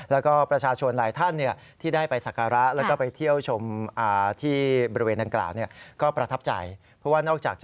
และก็ประชาชนหลายท่านที่ได้ไปศักระและก็ไปเที่ยวชมที่บริเวณด้านกล่าว